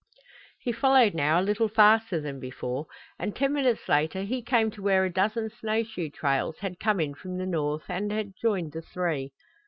He followed now a little faster than before, and ten minutes later he came to where a dozen snow shoe trails had come in from the north and had joined the three.